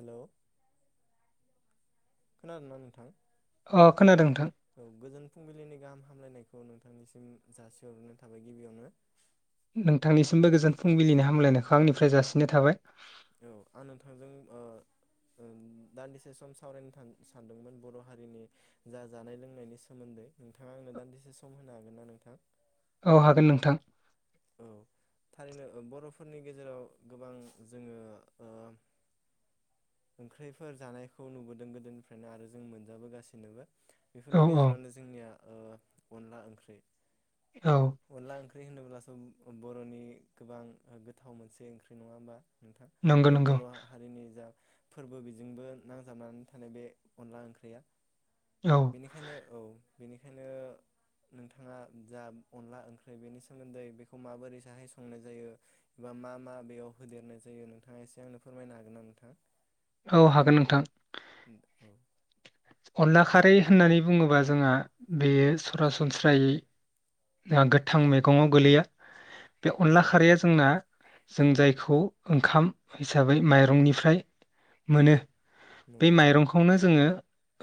Hello खोनादोंना नोंथां? अ खोनादों नोंथां। औ गोजोन फुंबिलिनि गाहाम हामलायनायखौ नोंथांनिसिम जासिहरग्रोनाय थाबाय गिबियावनो। नोंथांनिसिमबो गोजोन फुंबिलिनि हामलायनायखौ आंनिफ्राय जासिनाय थाबाय। औ आं नोंथांजों ओ ओ दान्दिसे सम सावरायनो सान-सानदोंमोन बर'हारिनि जा जानाय लोंनायनि सोमोन्दै नोंथाङा आंनो दान्दिसे सम होनो हागोन ना नोंथां? औ हागोन नोंथां। औ थारैनो ओ बर'फोरनि गेजेराव गोबां जोङो ओ ओंख्रिफोर जानायखौ नुबोदों गोदोनिफ्रायनो आरो जों मोनजा बोगासिनोबो। औ बेफोरनि औ गेजेरावनो जोंनिया ओ अनला ओंख्रि। औ अनला ओं [unintelligible] बर'नि गोबां गोथाव मोनसे ओंख्रि नङा होमबा? नोंथां नंगौ आरो नंगौ बर'हारिनि जा फोरबो बिजिंजों नांजाबनानै थानाय बे अनला ओंख्रिया। औ बेनिखायनो औ बेनिखायनो नोंथाङा जा अनला ओंख्रि बेनि सोमोन्दै बेखौ माबोरै साहाय संनाय जायो बा मा मा बेयाव होदेरनाय जायो नोंथाङा एसे आंनो फोरमायनो हागोन ना नोंथां? औ हागोन नोंथां। [unintelligible] अनला खारै होननानै बुङोबा जोंहा बेयो सरासनस्रायै गोथां मैगङाव गोलैया। बे अनला नंगौ खारैया जोंना जों जायखौ ओंखाम हिसाबै माइरंनिफ्राय मोनो। बे नंगौ माइरंखौनो जोङो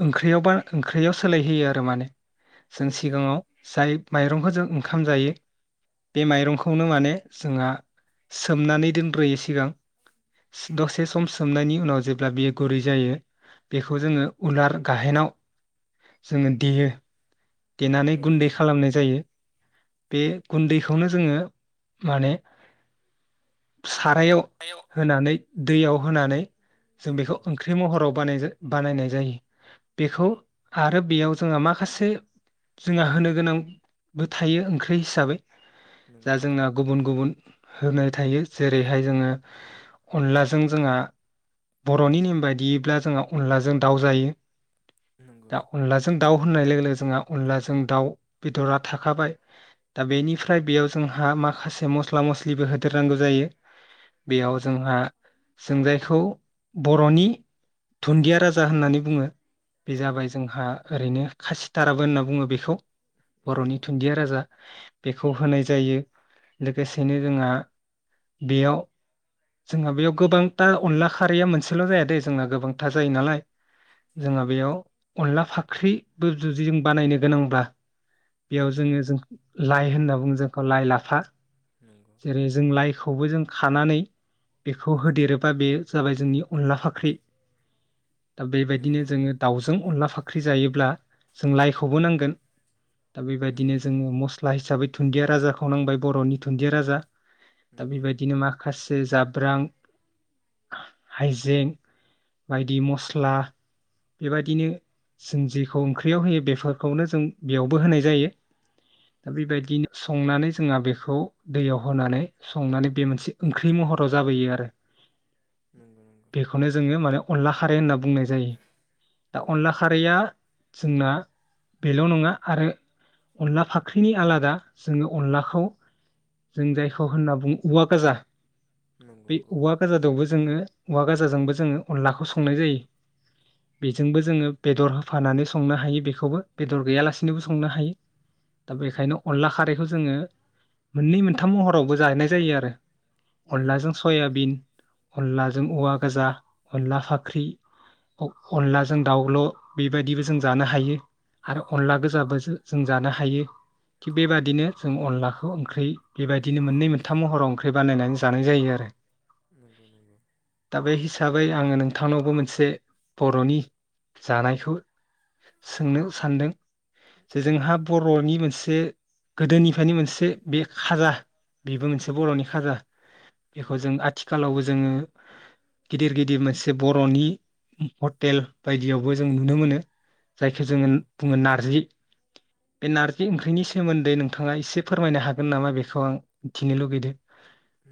ओंख्रियावबा ओंख्रियाव सोलायहोयो आरो माने। औ जों औ सिगाङाव जाय माइरंखौ जों ओंखाम जायो बे माइरंखौनो माने जोंहा सोमनानै दोनग्रोयो सिगां दसे सम सोमनायनि उनाव जेब्ला बेयो गुरै जायो बेखौ जोङो उलार गाहेनाव जोङो देयो। देनानै औ गुन्दै औ खालामनाय जायो। बे गुन्दैखौनो जोङो माने सारायाव आयौ होनानै दैयाव होनानै औ जों बेखौ औ ओंख्रि महराव बानायजा बानायनाय जायो बेखौ आरो बेयाव जोंहा माखासे जोंहा होनो गोनांबो थायो ओंख्रि हिसाबै। जा नंगौ जोंना गुबुन गुबुन होनाय थायो जेरैहाय जोङो अनलाजों जोंहा बरनि नेम बायदियैब्ला जोंहा अनलाजों दाउ जायो। नंगौ दा अनलाजों दाव होननाय लोगो लोगो जोंहा अनलाजों दाव बेदरा थाखाबाय दा बेनिफ्राय बेयाव जोंहा माखासे मस्ला मस्लि बो होदेरनांगौ जायो बेयाव नंगौ नंगौ जोंहा जों जाय खौ बरनि दुन्दिया राजा होननानै बुङो। बे नंगौ जाबाय जोंहा ओरैनो खासिथाराबो होनना बुङो बेखौ। औ बरनि औ दुन्दिया राजा। बेखौ होनाय जायो लोगोसेनो जोंहा बेयाव जोंहा बेयाव गोबांथा अनला खारैया मोनसेल जाया दै जोंना गोबांथा जायो नालाय जोंहा बेयाव अनला फाख्रिबो जुदि जों बानायनो गोनांबा बेयाव नंगौ जोङो जों लाइ होनना बुङो जोंखौ लाइ लाफा। नंगौ जेरै जों लाइफ खौबो जों खानानै बेखौ होदेरोबा बे जाबाय जोंनि अनला फाख्रि दा औ बेबायदिनो जोङो दाउजों अनला फाख ख्रि जायोब्ला जों लाइआ खौबो नांगोन दा औ बेबायदिनो औ जोङो मस्ला हिसाबै दुनन्दिया राजाखौ नांबाय बरनि दुनन्दिया राजा। दा नंगौ नंगौ बेबायदिनो माखासे जाब ब्रां हाइजें बायदि मस्ला बेबायदिनो जों जेखौ ओंख्रियाव होयो बेफोर खौनो जों बेयावबो होनाय जायो दा बेबायदिनो संनानै जोंहा बेखौ दैयाव होनानै संनानै बे मोनसे ओंख्रि महराव जाबोयो आरो। नंगौ बेखौनो जोङो माने अनला खारै होनना बुंनाय जायो दा नंगौ नंगौ अनला खारैया सोंना बेल' नङा आरो अनला फाख्रिनि आलादा जोङो अनलाखौ जों जायखौ होनना बुङो औवा गोजा नंगौ बे औ औवा गोजादावबो जोङो औवा गाजाजोंबो जोङो अनलाखौ संनाय जायो बेजोंबो जोङो बेदर होफानानै संनो हायो बे खौबो बेदर गैयालासिनोबो नंगौ संनो नंगौ हायो दा नंगौ बेखायनो अनला खारैखौ जोङो मोननै मोनथाम महरावबो जाहैनाय जायो आरो। औ अनलाजों सयाबिन अनलाजों औवा गोजा अनला फाख्रि अ अनलाजों दाउल' बेबायदिबो जों जानो हायो। आरो औ अनला औ गोजाबो जो-जों जानो हायो। थिग बेबादिनो जों अनलाखौ ओंख्रि बेबायदिनो मोननै मोनथाम महराव ओंख्रि बानायनानै जानाय जायो आरो। नंगौ नंगौ। दा बै आङो नोंथांनावबो मोनसे बर'नि जानायखौ सोंनो सानदों। जे औ जोंहा औ बर'नि मोनसे गोदोनि फ्रा बिखायनो मोनसे बे खाजा बेबो मोनसे बर'नि खाजा बेखौ नंगौ जों आथिखालावबो जोङो गिदिर गिदिर मोनसे बर'नि हटेल बायदियावबो जों नुनो मोनो जायखो नंगौ जोङो नार्जि बे नारजि ओंख्रिनि सोमोन्दै नोंथाङा एसे फोरमायनो हागोन नामा बेखौ आं मिथिनो लुगैदो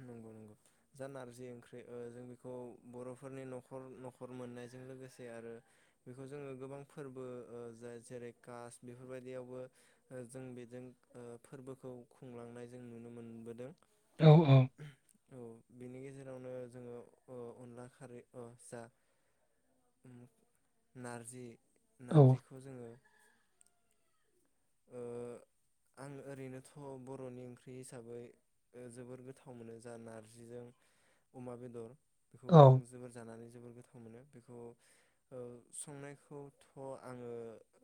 नंगौ नंगौ जा नारजि ओंख्रि ओ जों बेखौ बर'फोरनि न'खर न'खर मोननायजों लोगोसे आरो बेखौ जोङो गोबां फोरबो ओ जाय जेरै कास बेफोरबायदियावबो ओ जों बेजों ओ फोरबोखौ खुंलांनाय जों नुनो मोनबोदों। औ औ। औ बिनि गेजेरावनो जोङो ओ अनला खारै ओ जा उम नारजि औ नारजिखौ जोङो ओ आं ओरैनोथ' बर'नि ओंख्रि हिसाबै ओ जोबोर गोथाव मोनो जा नारजिजों अमा बेदर। बेखौ औ आं जोबोर जानानै जोबोर गोथाव मोनो बेखौ ओ संनायखौथ' आङो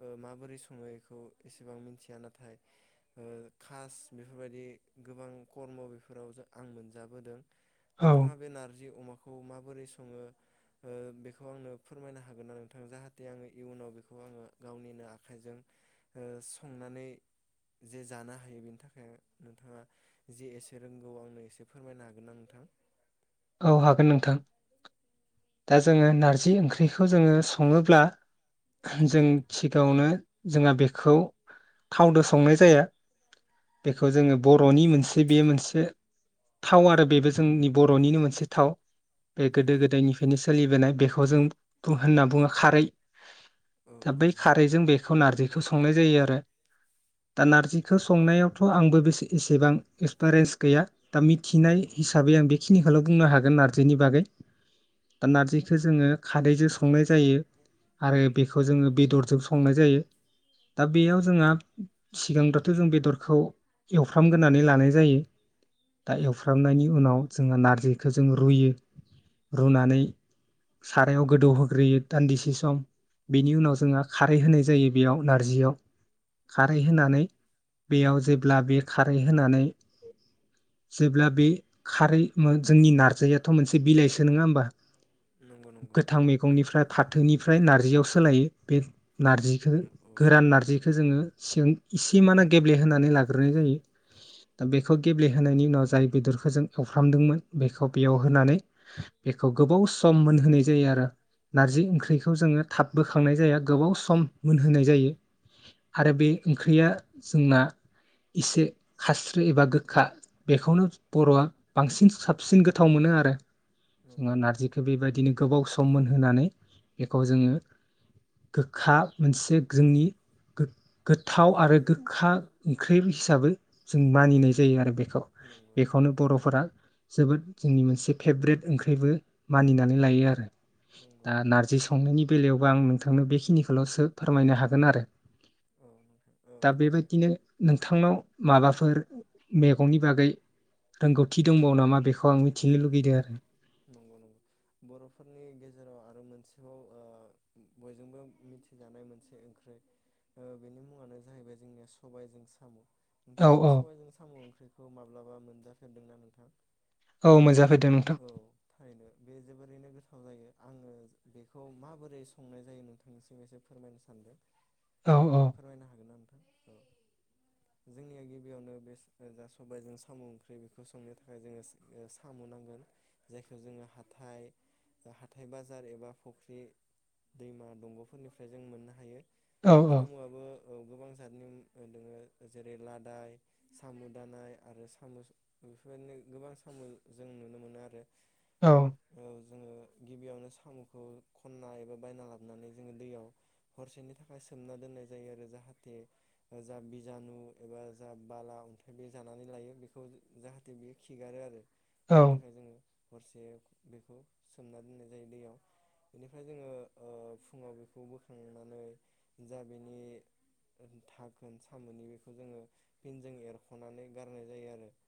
ओ माबोरै सङो एखौ एसेबां मिथिया नाथाय ओ खास बेफोरबायदि गोबां खर्म' बेफोराव जो आं मोनजाबोदों। औ नोंथाङा बे नार्जि अमा खौ माबोरै सङो ओ बेखौ आंनो फोरमायनो हागोन ना नोंथां? जाहाथे आङो इयुनाव बेखौ आङो गावनिनो आखाइजों ओ संनानै जे जानो हायो बेनि थाखाय नोंथाङा जे एसे रोंगौ आंनो एसे फोरमायनो हागोनना नोंथां? औ हागोन नोंथां दा जोङो नारजि ओंख्रिखौ जोङो सङोब्ला जों सिगाङावनो जोंहा बेखौ थावदो संनाय जाया बेखौ जोङो बर'नि मोनसे बे मोनसे थाव आरो बेबो जोंनि बर'निनो मोन से थाव। बे गोदो नंगौ नंगौ गोदायनिफ्रायनो सोलिबोनाय बेखौ जों बु होनना बुङो खारै औ दा औ बै खारैजों बेख खौ नारजिखौ संनाय जायो आरो दा नारजिखो संनायावथ आंबो बेसे एसेबां एक्सपारेन्स गैया दा मिथिनाय नंगौ नंगौ हिसाबै आं बेखिनिखौल बुंनो हागोन नारजिनि बागै दा नार्जिखो जोङो खारैजों संनाय जायो आरो बेखौ जोङो बेदरजों संनाय जायो दा बेयाव जोंहा सिगांदाथ जों बेदरखौ एवफ्रामग्रोनानै लानाय जायो दा औ औ एवफ्रामनायनि उनाव जोङो नारजि खो जों रुयो रुनानै सारायाव गोदौहोग्रोयो दान्दिसे सम बेनि उनाव नंगौ जोंहा खारै होनाय जायो बेयाव नारजियाव औ खारै औ होनानै बेयाव जे ब्ला बे खारै होनानै जेब्ला बे खारै मो जोंनि नार्जारियाथ मोनसे बिलाइसो नङा होमबा? नंगौ नंगौ गोथां नंगौ मैगंनिफ्राय फाथोनिफ्राय नारजियाव सोलायो बे नंगौ नारजिखौ उम औ गोरान नारजिखौ जोङो सिगां इसेमाना गेब्लेहोनानै लाग्रोनाय जायो दा बेखौ गेब्लेहोनायनि उनाव जाय बेदरखौ जों एवफ्रामदोंमोन बेखौ बेयाव होनानै बेखौ गोबौ सम मोनहोनाय जायो आरो नारजि नंगौ ओंख्रिखौ जोङो थाब बोखांनाय जाया गोबाव सम मोनहोनाय जायो आरो बे ओंख्रिया जोंना इसे खास्रि एबा गोखा बेखौनो बरआ बांसिन साब साबसिन गोथाव मोनो आरो जोङो नंगौ नारजिखो बेबायदिनो गोबाव सम थारैनो मोनहानै बेखौ जोङो गोखा मोनसे जोंनि गो-गोथाव आरो गोखा ओंख्रि हिसाबै जों मानिनाय जायो आरो बे खौ नंगौ नंगौ बेखौनो बरफोरा जोबोद जोंनि मोनसे फेभ्रेट ओंख्रिबो मानिनानै लायो आरो नंगौ दा नारजि संनायनि बेलायाव अ आं नोंथांनो बेखिनिखौलसो फोरमायनो हागोन आरो औ नोंथां औ दा थारैनो बेबायदिनो नोंथांनाव माबाफोर मैगंनि बागै रोंगौथि दंबावो नामा? बेखौ आं मिथिनो न लुगैदों आरो नंगौ नंगौ बरफोरनि गेजेराव आरो मोनसेबाव ओ बयजोंबो मिथिजानाय मोनसे ओंख्रै ओ बेनि मुङानो जाहैबाय जोंनिया सबायजों साम औ नोंथाङा बे औ सबायजों साम ओंख्रिखौ माब्लाबा मोनजा फेरदोंना नोंथां औ मोनजाफेरदों नोंथां औ थारैनो बे जोबोरैनो गो थाव जायो आङो बेखौ माबोरै संनाय जायो नोंथांनिसिम एसे फोरमायनो सानदों औ औ फोरमायनो हागोन ना नोंथां? जोंनिया गिबियावनो बे जा सबायजों साम ओंख्रि बेखौ संनो थाखाय जोङो ओ साम नांगोन जायखौ जोङो हाथाइ ओ हाथाइ बाजार एबा फुख्रि दैमा दंगफोरनिफ्राय जों मोननो हायो औ सामआबो औ गोबां जथनि मो मोदलोङो जेरै लादाय, साम' दानाय आरो साम' सु बेफोरबायदिनो गोबां सा सामु जों नुनो मोनो आरो औ। ओ जोङो गिबियावनो साम'खौ खनना एबा बायना लाबानै जोङो दैयाव हरसेनि थाखाय सोमना दोननाय जायो आरो जाहाथे जा बिजानु एबा जा बाला अन्थाइ बे जानानै लायो बेखौ जाहाथे बेयो खिगारो आरो। [inaudible] औ बेनि थाखाय जोङो [inaudible] हरसे बेखौ सोमना दोननाय जायो दैयाव बेनिफ्राय जोङो ओ फुङाव बेखौ बोखांनानै जा बेनि दाखोन सामोननि बेखौ जोङो फिनजों एरख'नानै गारनाय जायो आरो। [inaudible]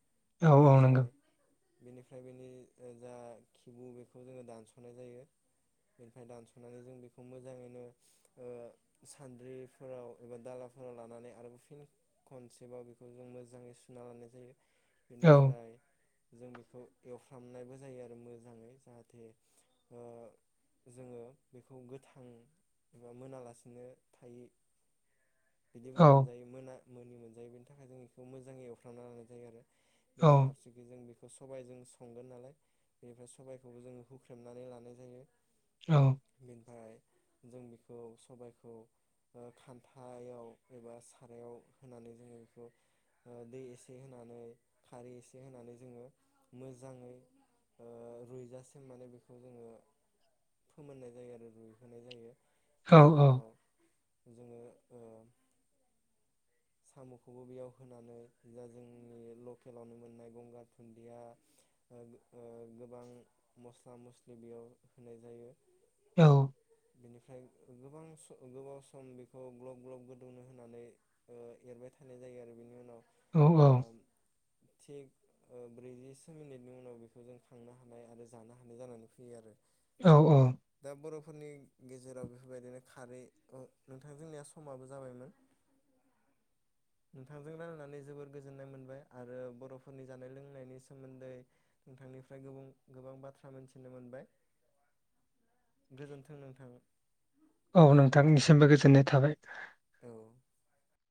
औ औ नंगौ बेनिफ्राय-' [inaudible] बेनिफ्राय बेनि ओ जा खिबु बेखौ जोङो दानस'नाय जायो बेनिफ्राय दानस'नानै जों बेखौ मोजाङैनो ओ सान्द्रिफोराव एबा दालाफोराव लानानै आरोब फिन खनसेबआव बेखौ जों मोजाङै सुना लानाय जायो। [inaudible] औ बेनिफ्राय [inaudible] जों बेखौ एवफ्रामनायबो जायो आरो मोजाङै जाहाथे ओ जोङो बेखौ गोथां एबा मोनालासिनो थायि [inaudible] बिदिबो औ मोनजायो मोना [inaudible] मोनि मोनजायो बेनि थाखाय जों इखौ मोजाङै एवफ्रामना लानाय जायो आरो। [inaudible] औ बेराफारसेखि जों बेख [inaudible] सबाय जों संगोन नालाय बेनिफ्राय सबायखौबो जोङो हुख्रेमनानै लानाय जायो। औ [inaudible] बिनिफाय [inaudible] जों बेखौ सबायखौ ओ खान्थायाव एबा सारायाव होनानै जोङो बेखौ ओ दै एसे होनानै खारै एसे होनानै जोङो [inaudible] मोजाङै ओ रुइजासिम माने बेखौ जोङो फोमोननाय जायो आरो रुइहोनाय जायो। [inaudible] औ बिनि उनाव [inaudible] जोङो ओ [inaudible] साम'खौबो बेयाव होनानै जा जोंनि लकेलावनो मोननाय गंगार थुन्दिया ओग ओ गोबां मस्ला मस्लि बेयाव होनाय जायो। [inaudible] औ। बेनिफ्राय गोबां स गोबाव सम बेखौ ग्लब ग्लब गोदौनो होनानै ओ एरबाय थानाय जायो आरो बेनि उनाव [inaudible] औ ओ औ। थिग ओ ब्रैजिसो मिनिटनि उनाव बेखौ जों खांनो हानाय आरो जानो हानाय जानानै फैयो आरो। [inaudible] औ औ। फोरनि गेजेराव बेफोरबायदिनो खारै ओ नोंथां जोंनिया समाबो जाबायमोन [inaudible] नोंथांजों रायलनानै जोबोर गोजोननाय मोनबाय आरो बर'फोरनि जानाय लोंनायनि सोमोन्दै नोंथांनिफ्राय गोबां गोबां बाथ्रा मोनथिनो मोनबाय गोजोनथों नोंथां। [inaudible] औ नोंथांनिसिमबो गोजोननाय थाबाय। औ [inaudible]